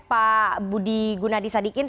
pak budi gunadisadikin